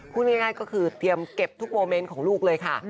พูดง่ายก็คือเตรียมเก็บทุกโมเมนต์ของลูกเลยค่ะ